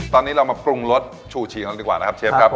ตอนนี้เรามาปรุงรสชูชีกันดีกว่านะครับเชฟครับ